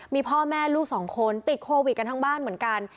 มีพ่อแม่ลูกสองคนติดโควิดกันทั้งบ้านเหมือนกัน